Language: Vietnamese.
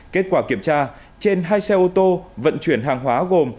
kết quả kiểm tra trên hai xe ô tô vận chuyển hàng hóa gồm